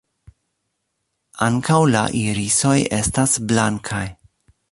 Ankaŭ la irisoj estas blankaj.